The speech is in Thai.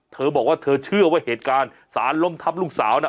เธอบอกว่าเธอเชื่อว่าเหตุการณ์สารล้มทับลูกสาวน่ะ